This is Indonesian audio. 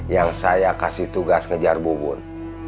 yang saya kasih tugas ngejar pugun